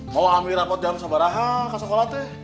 mau ambil rapot jam sabar raha kak sokolatnya